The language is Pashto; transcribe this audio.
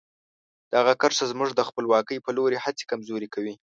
دغه کرښه زموږ د خپلواکۍ په لور هڅې کمزوري کوي.